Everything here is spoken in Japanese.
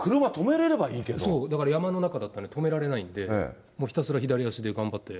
そう、だから山の中だったら止められないんで、ひたすら左足で頑張って。